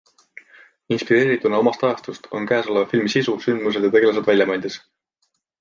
Inspireerituna omast ajastust on käesoleva filmi sisu, sündmused ja tegelased väljamõeldis.